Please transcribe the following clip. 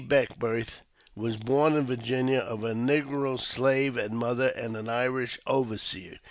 Beckwourth was born in Virginia of a negro slave mother and an Irish overseer.